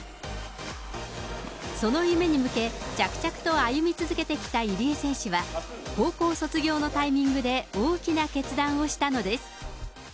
その夢に向け、着々と歩み続けてきた入江選手は、高校卒業のタイミングで大きな決断をしたのです。